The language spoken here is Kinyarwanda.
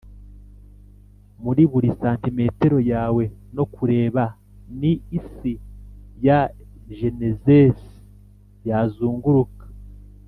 muri buri santimetero yawe no kureba ni isi ya genezesi yazunguruka,